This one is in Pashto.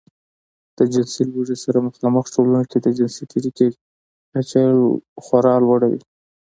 د جنسي لوږې سره مخامخ ټولنو کې د جنسي تېري کچه خورا لوړه وي.